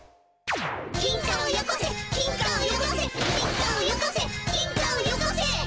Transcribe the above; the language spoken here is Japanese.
金貨をよこせ金貨をよこせ金貨をよこせ金貨をよこせ。